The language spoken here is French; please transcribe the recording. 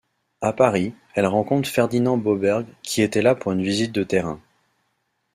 À Paris, elle rencontre Ferdinand Boberg, qui était là pour une visite de terrain.